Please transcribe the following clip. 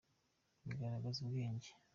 bigaragaza ubwenge.